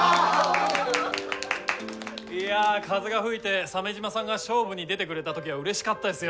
いや風が吹いて鮫島さんが勝負に出てくれた時はうれしかったですよ。